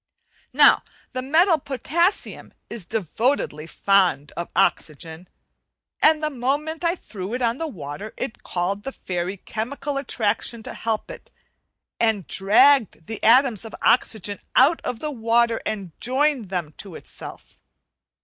Now the metal potassium is devotedly fond of oxygen, and the moment I threw it on the water it called the fairy "chemical attraction' to help it, and dragged the atoms of oxygen out of the water and joined them to itself.